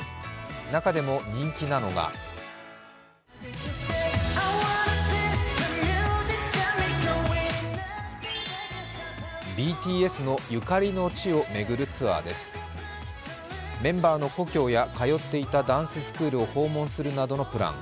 中でも、人気なのがＢＴＳのゆかりの地を巡るツアーですメンバーの故郷や通っていたダンススクールを訪問するなどのプラン。